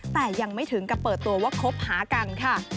แต่ยังไม่ถึงกับเปิดตัวว่าคบหากันค่ะ